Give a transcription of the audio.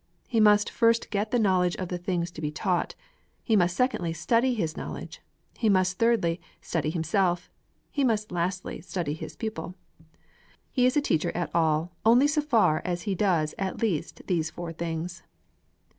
He must first get the knowledge of the things to be taught; he must secondly study his knowledge; he must thirdly study himself; he must lastly study his pupil. He is a teacher at all only so far as he does at least these four things.